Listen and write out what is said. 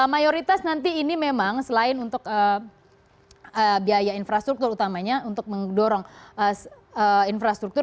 mayoritas nanti ini memang selain untuk biaya infrastruktur utamanya untuk mendorong infrastruktur